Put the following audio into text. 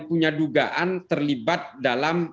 punya dugaan terlibat dalam